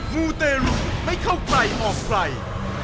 มูเตรุมาเข้าไกลออกไกล